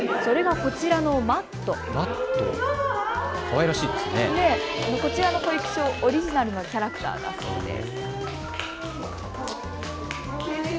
こちらの保育所オリジナルのキャラクターだそうです。